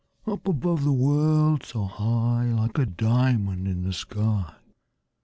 Up above the world so high, Like a diamond in the sky.